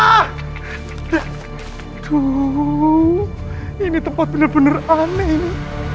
aduh ini tempat benar benar aneh ini